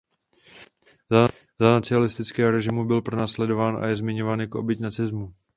Za nacistického režimu byl pronásledován a je zmiňován jako oběť nacismu.